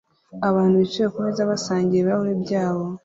Abantu bicaye kumeza basangira ibirahuri byabo